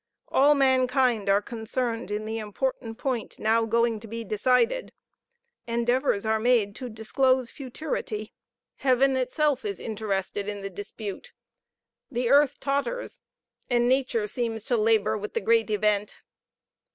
All mankind are concerned in the important point now going to be decided. Endeavors are made to disclose futurity. Heaven itself is interested in the dispute. The earth totters, and nature seems to labor with the great event.